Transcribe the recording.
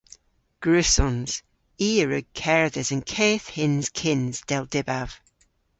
Gwrussons. I a wrug kerdhes an keth hyns kyns dell dybav.